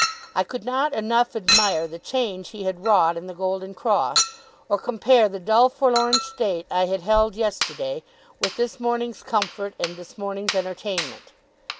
I could not enough admire the change he had wrought in the Golden Cross; or compare the dull forlorn state I had held yesterday, with this morning's comfort and this morning's entertainment.